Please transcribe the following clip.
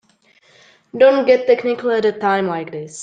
Don't get technical at a time like this.